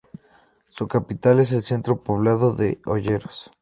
Su capital es el centro poblado de "Olleros".